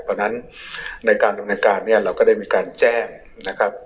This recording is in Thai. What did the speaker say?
เพราะฉะนั้นในการดำเนินการเนี่ยเราก็ได้มีการแจ้งนะครับ